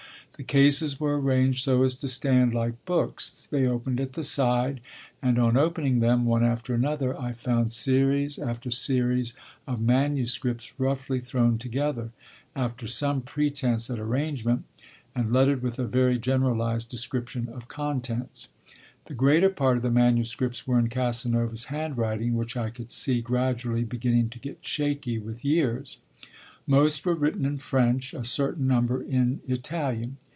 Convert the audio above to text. The cases were arranged so as to stand like books; they opened at the side; and on opening them, one after another, I found series after series of manuscripts roughly thrown together, after some pretence at arrangement, and lettered with a very generalised description of contents. The greater part of the manuscripts were in Casanova's handwriting, which I could see gradually beginning to get shaky with years. Most were written in French, a certain number in Italian.